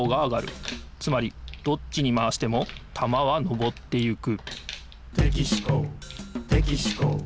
つまりどっちにまわしてもたまはのぼっていく「」